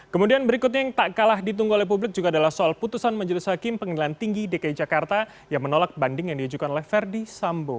kemudian berikutnya yang tak kalah ditunggu oleh publik juga adalah soal putusan majelis hakim pengadilan tinggi dki jakarta yang menolak banding yang diajukan oleh verdi sambo